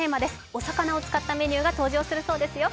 お魚を使ったメニューが登場するそうですよ。